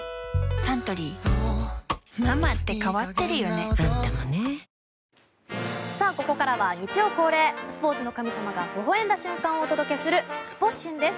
サントリーここからは日曜恒例スポーツの神様がほほ笑んだ瞬間をお届けするスポ神です。